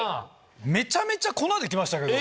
めちゃめちゃ粉で来ましたけど。